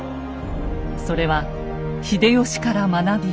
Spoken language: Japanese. それは秀吉から学び